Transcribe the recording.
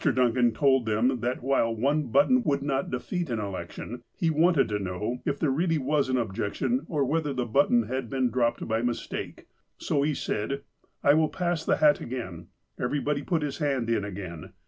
Duncan told them that while one button would not defeat an election, he wanted to know if there really was an objection, or whether the button had been dropped by mistake. So he said :" I will pass the hat again. Everybody put his hand in again.